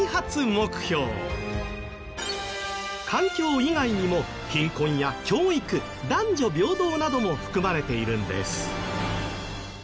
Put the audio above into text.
環境以外にも貧困や教育男女平等なども含まれているんです。